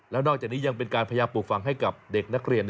แล้วนอกจากนี้ยังเป็นการพยายามปลูกฝั่งให้กับเด็กนักเรียน